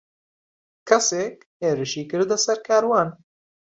کەسێک هێرشی کردە سەر کاروان.